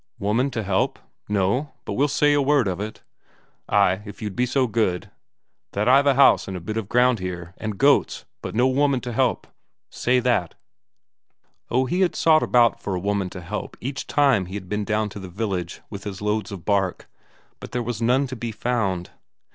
"Woman to help? No. But we'll say a word of it." "Ay, if you'd be so good. That I've a house and a bit of ground here, and goats, but no woman to help. Say that." Oh, he had sought about for a woman to help each time he had been down to the village with his loads of bark, but there was none to be found.